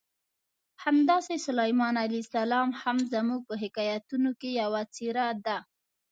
همداسې سلیمان علیه السلام هم زموږ په حکایتونو کې یوه څېره ده.